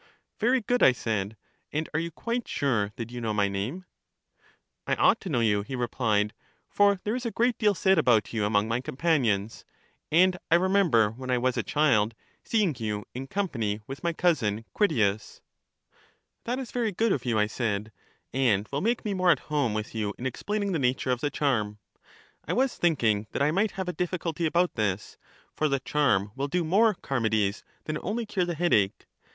Very good, I said; and are you quite sure that you know my name? I ought to know you, he replied, for there is a great deal said about you among my companions; and I remember when I was a child seeing you in company with my cousin Critias. That is very good of you, I said; and will make me more at home with you in explaining the nattire of the charm; I was thinking that I might have a difficulty about this. For the charm will do more, Charmides, than only cure the headache.